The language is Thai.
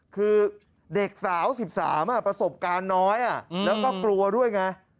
คือเด็กสาว๑๓ประสบการณ์น้อยแล้วก็กลัวด้วยไง